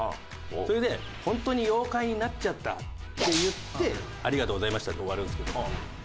それで「本当に妖怪になっちゃった」って言って「ありがとうございました」で終わるんですけども。